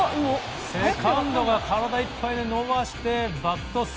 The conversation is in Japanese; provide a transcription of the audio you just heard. セカンドが体いっぱい伸ばしてバックトス。